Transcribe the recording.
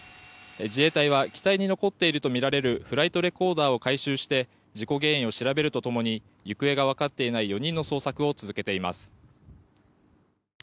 自衛隊は機体に残っているとみられるフライトレコーダーを回収して事故原因を調べるとともに行方がわかっていない４人の捜索を続けています。